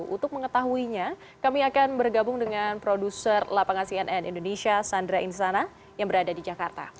untuk mengetahuinya kami akan bergabung dengan produser lapangan cnn indonesia sandra insana yang berada di jakarta